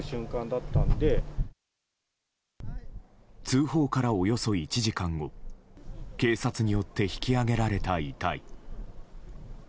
通報から、およそ１時間後警察によって引き揚げられた遺体。